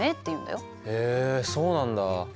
へえそうなんだ。